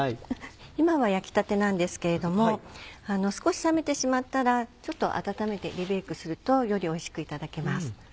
今は焼きたてなんですけれども少し冷めてしまったらちょっと温めてリベイクするとよりおいしくいただけます。